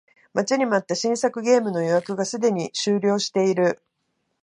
待ちに待った新作ゲームの予約がすでに終了している